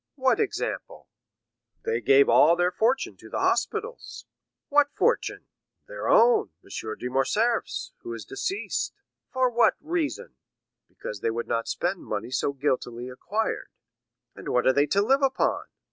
"What example?" "They gave all their fortune to the hospitals." "What fortune?" "Their own—M. de Morcerf's, who is deceased." "For what reason?" "Because they would not spend money so guiltily acquired." "And what are they to live upon?"